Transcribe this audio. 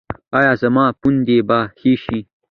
ایا زما پوندې به ښې شي؟